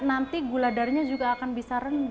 nanti gula darahnya juga akan bisa rendah